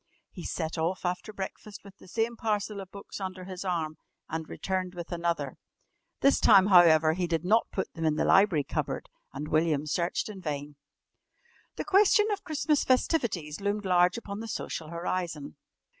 He set off after breakfast with the same parcel of books under his arm and returned with another. This time, however, he did not put them in the library cupboard, and William searched in vain. The question of Christmas festivities loomed large upon the social horizon.